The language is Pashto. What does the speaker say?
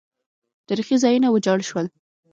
تاریخي ځایونه ویجاړ شول